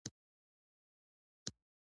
ولې مو په شریکه وڅښلو.